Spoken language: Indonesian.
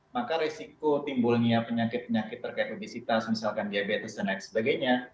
maka risiko timbulnya penyakit penyakit terkait obesitas misalkan diabetes dan lain sebagainya